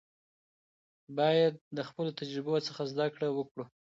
باید د خپلو تجربو څخه زده کړه وکړو.